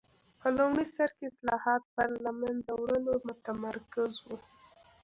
په لومړي سر کې اصلاحات پر له منځه وړلو متمرکز و.